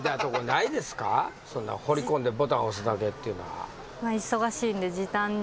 そんな放り込んでボタン押すだけっていうのは。